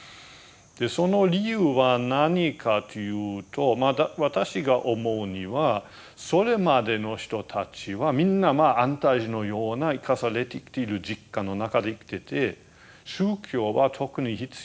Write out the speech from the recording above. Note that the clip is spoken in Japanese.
その理由は何かというと私が思うにはそれまでの人たちはみんなまあ安泰寺のような生かされて生きてる実感の中で生きてて宗教は特に必要なかったと思いますね。